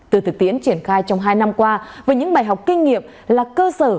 từ thực tiễn triển khai trong hai năm qua với những bài học kinh nghiệm là cơ sở